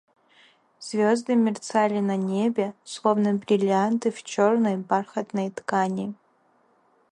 Звезды мерцали на небе, словно бриллианты в черной бархатной ткани.